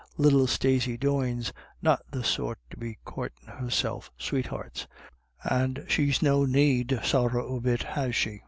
Little Stacey Doyne's not the sort to be coortin' herself sweethearts; and she's no need, sorra a bit has she.